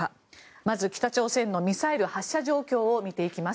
まず、北朝鮮のミサイル発射状況を見ていきます。